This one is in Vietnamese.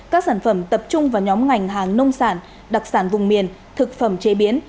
các sản phẩm tập trung vào nhóm ngành hàng nông sản đặc sản vùng miền thực phẩm chế biến